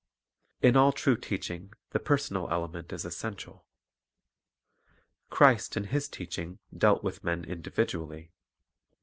2 In all true teaching the personal element is essential. Christ in His teaching dealt with men individually.